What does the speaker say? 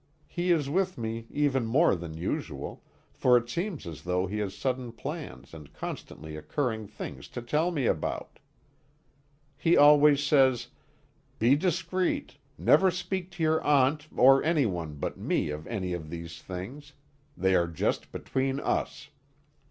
He is with me even more than usual, for it seems as though he has sudden plans and constantly occurring things to tell me about. He always says: "Be discreet; never speak to your Aunt or anyone but me of any of these things. They are just between us."